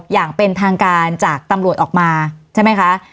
อย่างเป็นทางการจากตำรวจออกมาใช่ไหมคะ